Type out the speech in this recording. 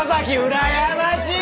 羨ましい！